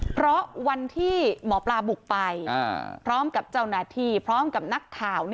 เพราะวันที่หมอปลาบุกไปพร้อมกับเจ้าหน้าที่พร้อมกับนักข่าว